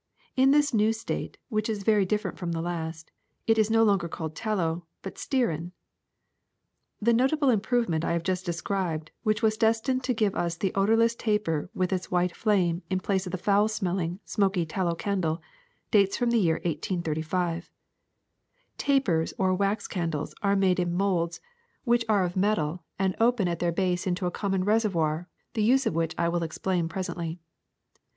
In this new state, which is very different from the first, it is no longer called tallow but stearin. '^The notable improvement I have just described, which was destined to give us the odorless taper with its white flame in place of the foul smelling, smoky tallow candle, dates from the year 1831. ^'Tapers, or wax candles, are made in molds, which 138 THE SECRET OF EVERYDAY THINGS are of metal and open at their base into a common reservoir, the use of which I will explain presently.